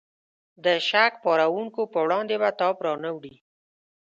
د شک پارونکو په وړاندې به تاب را نه وړي.